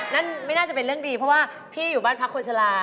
นั่นไม่น่าจะเป็นเรื่องดีเพราะว่าพี่อยู่บ้านพักคนชะลา